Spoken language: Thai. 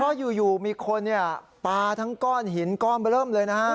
เพราะอยู่มีคนปลาทั้งก้อนหินก้อนเบอร์เริ่มเลยนะฮะ